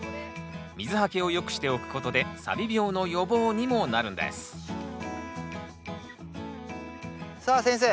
水はけを良くしておくことでさび病の予防にもなるんですさあ先生。